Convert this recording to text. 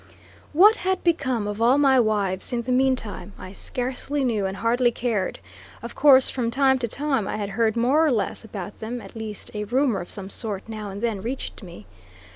What had become of all my wives in the meantime, I scarcely knew and hardly cared. Of course from time to time I had heard more or less about them at least, a rumor of some sort now and then reached me.